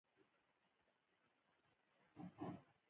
_نه، د تره زامنو ته..